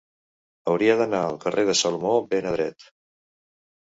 Hauria d'anar al carrer de Salomó ben Adret